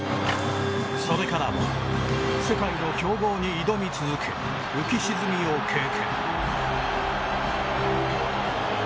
それからも世界の強豪に挑み続け浮き沈みを経験。